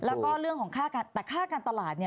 แล้วก็เรื่องของค่าการตลาดเนี่ย